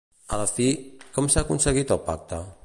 A la fi, com s'ha aconseguit el pacte?